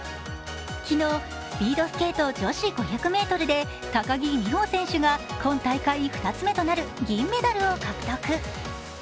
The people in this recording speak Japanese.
昨日、スピードスケート女子５００ｍで高木美帆選手が今大会２つ目となる銀メダルを獲得。